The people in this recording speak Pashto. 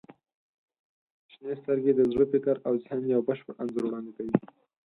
• شنې سترګې د زړه، فکر او ذهن یو بشپړ انځور وړاندې کوي.